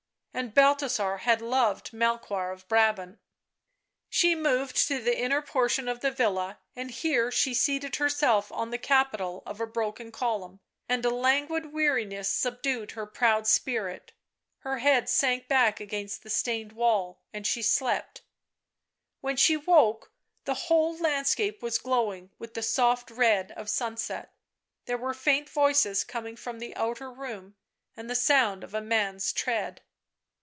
And Balthasar had loved Melchoir of Brabant. She moved to the inner portion of the villa, and here she seated herself on the capital of a broken column, and a languid weariness subdued her proud spirit ; her head sank back against the stained wall, and she slept. When she woke the whole landscape was glowing with the soft red of sunset. There were faint voices coming from the outer room, and the sound of a man's tread.